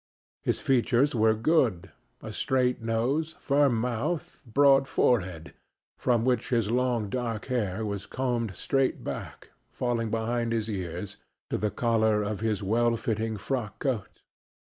His features were good a straight nose, firm mouth, broad forehead, from which his long, dark hair was combed straight back, falling behind his ears to the collar of his well fitting frock coat.